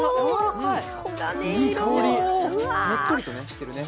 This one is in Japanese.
ねっとりとしてるね。